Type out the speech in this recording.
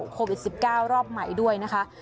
โควิด๑๙รอบใหม่ด้วยนะคะ